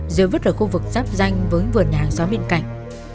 giữ vứt ở khu vực sắp danh với vườn nhà hàng gió bên cạnh